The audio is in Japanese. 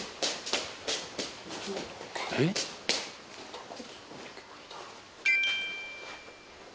どこに置いとけばいいだろう